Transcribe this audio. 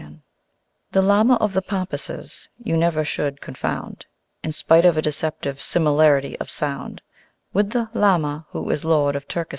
The Llama of the Pampasses you never should confound (In spite of a deceptive similarity of sound) With the Lhama who is Lord of Turkestan.